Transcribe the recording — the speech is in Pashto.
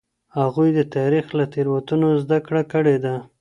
هغوی د تاریخ له تېروتنو زده کړه کړې ده.